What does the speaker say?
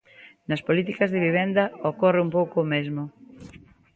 Nas políticas de vivenda ocorre un pouco o mesmo.